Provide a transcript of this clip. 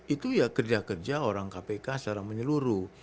itu ya kerja kerja orang kpk secara menyeluruh